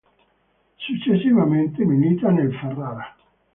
Successivamente milita nel Ferrara.